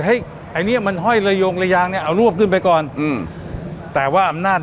ไอ้เนี้ยมันห้อยระยงระยางเนี้ยเอารวบขึ้นไปก่อนอืมแต่ว่าอำนาจ